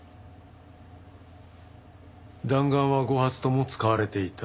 弾丸は５発とも使われていた。